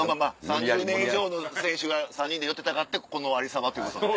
３０年以上の選手が３人で寄ってたかってこのありさまということで。